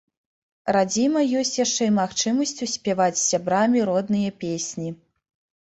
Радзіма ёсць яшчэ і магчымасцю спяваць з сябрамі родныя песні.